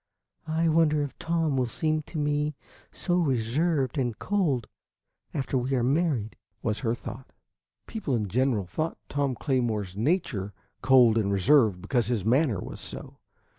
"I wonder if Tom will seem to me so reserved and cold after we are married," was her thought. II People in general thought Tom Claymore's nature cold and reserved because his manner was so.